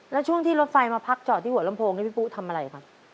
แล้วช่วงที่รถไฟมาพักจอดที่หัวลำโพงนี่พี่ปุ๊ทำอะไรครับ